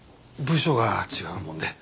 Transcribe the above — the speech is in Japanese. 部署が違うもんで。